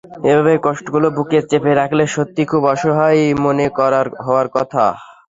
এভাবে কষ্টগুলো বুকে চেপে রাখলে সত্যিই খুব অসহায় মনে হওয়ার কথা।